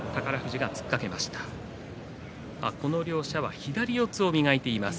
この両者は左四つを磨いています